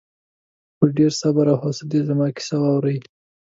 په ډېر صبر او حوصلې زما کیسه واورې.